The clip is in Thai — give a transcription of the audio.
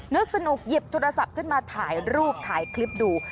นึกสนุกหยิบโทรศัพท์ขึ้นมาถ่ายรูปถ่ายคลิปดู